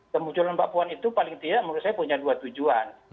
kemunculan mbak puan itu paling tidak menurut saya punya dua tujuan